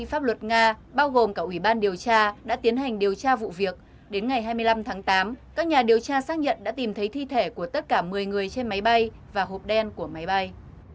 trong pháp luật nga bao gồm cả ủy ban điều tra đã tiến hành điều tra vụ việc đến ngày hai mươi năm tháng tám các nhà điều tra xác nhận đã tìm thấy thi thể của tất cả một mươi người trên máy bay và hộp đen của máy bay